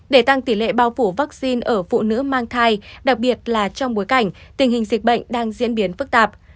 để tăng tỷ lệ bao phủ vaccine ở phụ nữ mang thai đặc biệt là trong bối cảnh tình hình dịch bệnh đang diễn biến phức tạp